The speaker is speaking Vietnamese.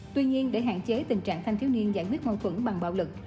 tuy nhiên để hạn chế tình trạng thanh thiếu niên giải quyết mâu thuẫn bằng bạo lực